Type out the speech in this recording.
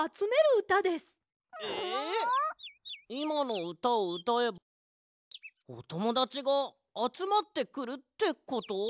いまのうたをうたえばおともだちがあつまってくるってこと？